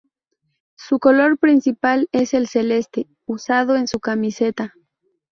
Su color principal es el celeste, usado en su camiseta.